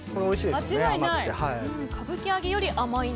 間違いない。